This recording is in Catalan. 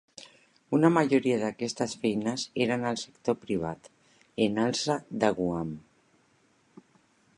Una majoria d'aquestes feines eren al sector privat en alça de Guam.